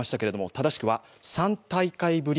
正しくは３大会ぶり